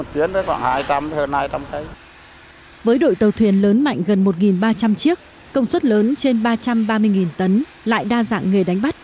với đội tàu thuyền lớn mạnh gần một ba trăm linh chiếc công suất lớn trên ba trăm ba mươi tấn lại đa dạng nghề đánh bắt